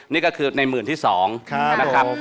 นี่ก็คือในหมื่นที่๒นะครับ